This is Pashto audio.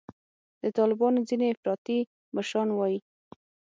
د طالبانو ځیني افراطي مشران وایي